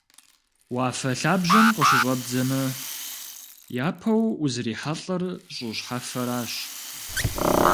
Уафэ лъабжьэм къыщыщӀэбдзэмэ, япэу узрихьэлӀэр щӀы щхьэфэращ.